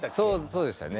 そうでしたね。